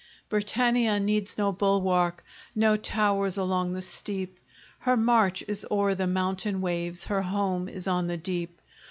Britannia needs no bulwark, No towers along the steep; Her march is o'er the mountain waves, Her home is on the deep.